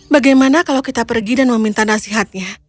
bagaimana kalau kita pergi dan meminta nasihatnya